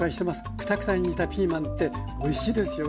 クタクタに煮たピーマンっておいしいですよね。